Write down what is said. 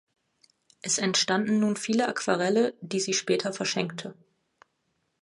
Es entstanden nun viele Aquarelle, die sie später verschenkte.